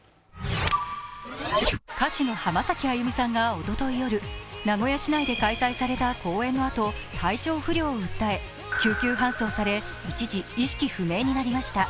歌手の浜崎あゆみさんがおととい夜、名古屋市内で開催された公演のあと、体調不良を訴え救急搬送され、一時意識不明になりました。